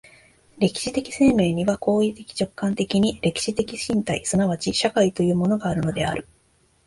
歴史的生命には行為的直観的に歴史的身体即ち社会というものがあるのである。